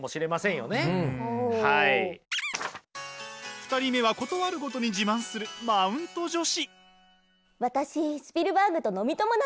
２人目は事あるごとに自慢するマウント女子。